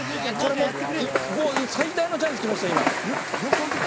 もう最大のチャンス来ましたよ、今。